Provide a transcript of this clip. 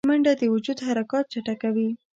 منډه د وجود حرکات چټکوي